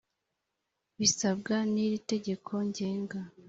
bisabwa n iri itegeko ngenga